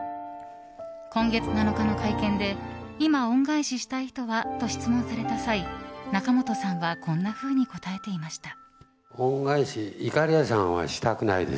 今月７日の会見で今、恩返ししたい人は？と質問された際仲本さんはこんなふうに答えていました。